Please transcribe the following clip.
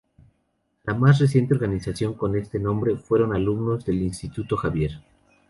La más reciente organización con este nombre, fueron alumnos del Instituto Xavier.